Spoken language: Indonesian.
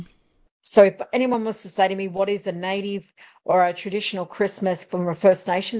jadi jika ada yang ingin memberitahu saya apa yang menurut saya adalah musim panas asli atau musim panas tradisional dari perspektif first nation